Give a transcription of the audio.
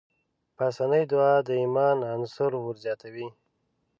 پاسنۍ دعا د ايمان عنصر ورزياتوي.